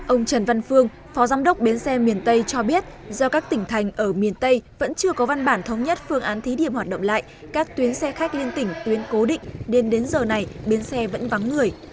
ông trần văn phương phó giám đốc bến xe miền tây cho biết do các tỉnh thành ở miền tây vẫn chưa có văn bản thống nhất phương án thí điểm hoạt động lại các tuyến xe khách liên tỉnh tuyến cố định nên đến giờ này bến xe vẫn vắng người